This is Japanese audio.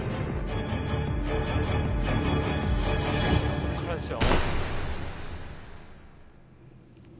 ここからですよ。